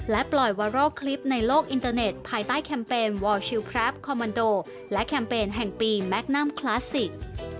ปล่อยวารอลคลิปในโลกอินเตอร์เน็ตภายใต้แคมเปญวอลชิวครับคอมมันโดและแคมเปญแห่งปีแมคนัมคลาสสิก